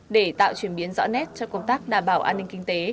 để tạo chuyển biến rõ nét cho công tác đảm bảo an ninh kinh tế